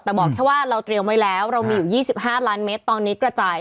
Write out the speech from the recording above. แต่บอกแค่ว่าเราเตรียมไว้แล้วเรามีอยู่๒๕ล้านเมตรตอนนี้กระจาย